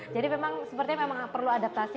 jadi memang seperti memang perlu adaptasi